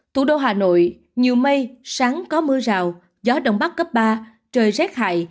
thủ đô hà nội nhiều mây sáng có mưa rào gió đông bắc cấp ba trời rét hại